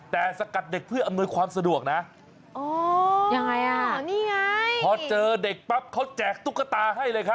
แต่สกัดเด็กเพื่ออำนวยความสะดวกนะ